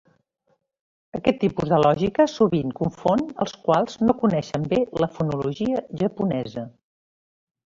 Aquest tipus de lògica sovint confon als quals no coneixen bé la fonologia japonesa.